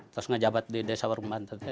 terus menjabat di desa warung bantuan itu